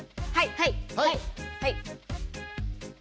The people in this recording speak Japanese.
はい！